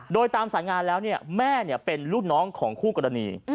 โดยตามสายงานแล้วแม่เป็นลูกน้องของคู่กรณี